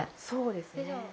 そうですね。